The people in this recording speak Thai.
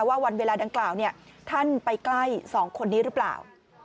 วันเวลาดังกล่าวท่านไปใกล้สองคนนี้หรือเปล่า